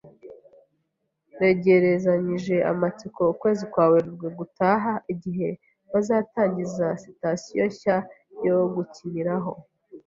Ntegerezanyije amatsiko ukwezi kwa Werurwe gutaha, igihe bazatangiza Sitasiyo nshya yo gukiniraho .